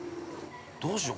◆どうしよう。